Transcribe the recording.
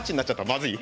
まずい？